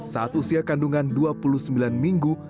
saat usia kandungan dua puluh sembilan minggu